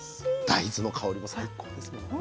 大豆の香りも最高ですよね。